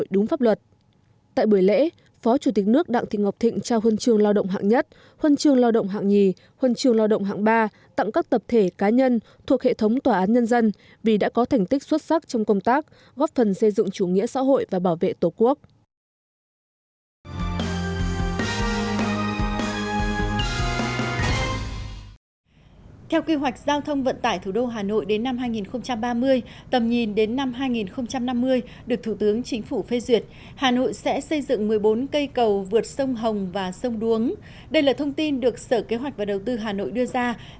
đây là thông tin được sở kế hoạch và đầu tư hà nội đưa ra trong buổi giao ban báo chí do thành ủy hà nội tổ chức vào chiều nay một mươi hai tháng chín